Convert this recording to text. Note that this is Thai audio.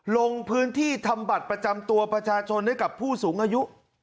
ลงพื้นที่ทำบัตรประจำตัวประชาชนให้กับผู้สูงอายุ